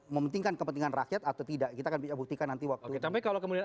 mementingkan kepentingan rakyat atau tidak kita akan buktikan nanti waktu itu sampai kalau kemudian